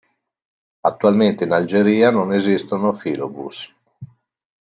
Attualmente in Algeria non esistono filobus.